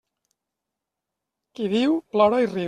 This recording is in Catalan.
Qui viu, plora i riu.